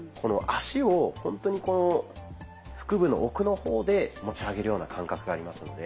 足をほんとに腹部の奥の方で持ち上げるような感覚がありますので。